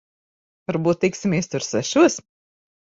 Varbūt tiksimies tur sešos?